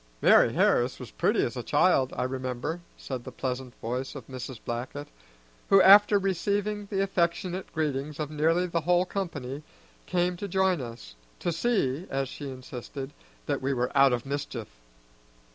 "Mari' Harris was pretty as a child, I remember," said the pleasant voice of Mrs. Blackett, who, after receiving the affectionate greetings of nearly the whole company, came to join us, to see, as she insisted, that we were out of mischief.